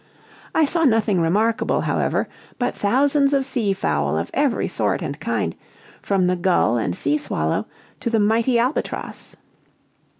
I saw nothing remarkable, however, but thousands of sea fowl of every sort and kind, from the gull and sea swallow to the mighty albatross.